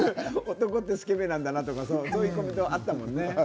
男はスケベなんだなとか、そういうこともあったもんね。